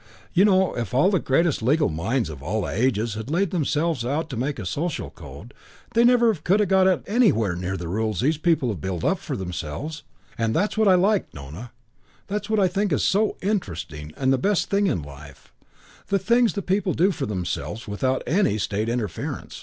You know, if all the greatest legal minds of all the ages had laid themselves out to make a social code they could never have got anywhere near the rules the people have built up for themselves. And that's what I like, Nona that's what I think so interesting and the best thing in life: the things the people do for themselves without any State interference.